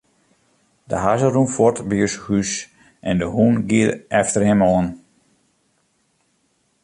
De hazze rûn fuort by ús hús en de hûn gie efter him oan.